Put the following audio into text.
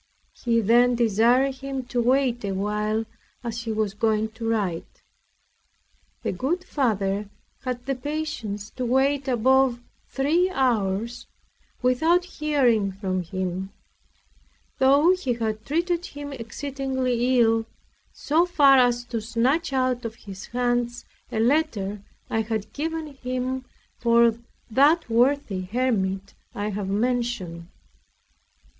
He then desired him to wait awhile, as he was going to write. The good Father had the patience to wait above three hours, without hearing from him; though he had treated him exceedingly ill, so far as to snatch out of his hands a letter I had given him for that worthy hermit I have mentioned.